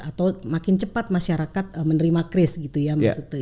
atau makin cepat masyarakat menerima kris gitu ya maksudnya